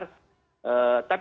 tapi itu tidak